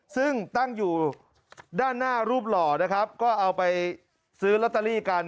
ซึ่งตั้งอยู่ด้านหน้ารูปหล่อนะครับก็เอาไปซื้อลอตเตอรี่กัน